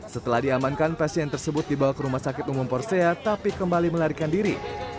setelah diamankan pasien tersebut dibawa ke rumah sakit umum porsea tapi kembali melarikan diri